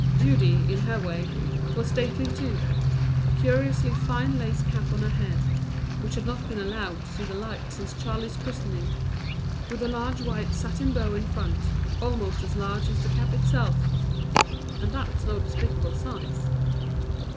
Judy, in her way, was stately too; a curiously fine lace cap on her head, which had not been allowed to see the light since Charley's christening, with a large white satin bow in front, almost as large as the cap itself. And that was no despicable size.